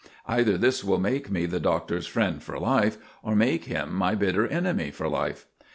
Either this will make me the Doctor's friend for life, or make him my bitter enemy for life."